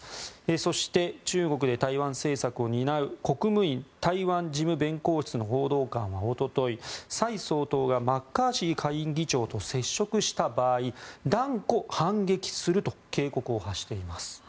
そして、中国で台湾政策を担う国務院台湾事務弁公室の報道官はおととい蔡総統がマッカーシー下院議長と接触した場合断固反撃すると警告を発しています。